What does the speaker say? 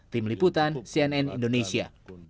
tim liputan cnn indonesia